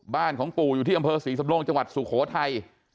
บ้านของปู่อยู่ที่อำเภอศรีสำรงจังหวัดสุโขทัย